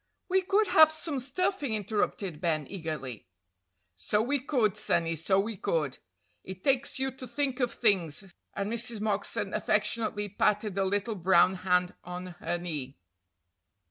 "We could have some stuffing," interrupted Ben, eagerly. "So we could, sonny, so we could. It takes you to think of things," and Mrs. Moxon affectionately patted the little brown hand on her knee.